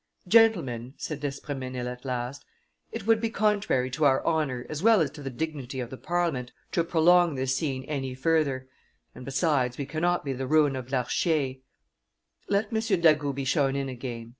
"Gentlemen," said d'Espr4mesnil at last, "it would be contrary to our honor as well as to the dignity of the Parliament to prolong this scene any further; and, besides, we cannot be the ruin of Larchier; let M. d'Agoult be shown in again."